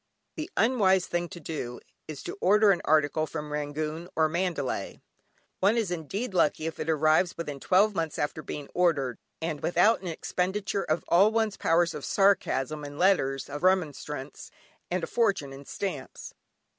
The unwise thing to do, is to order an article from Rangoon or Mandalay. One is indeed lucky if it arrives within twelve months after being ordered, and without an expenditure of all one's powers of sarcasm in letters of remonstrance, and a fortune in stamps.